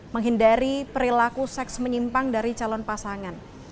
menghindari perilaku seks menyimpang dari calon pasangan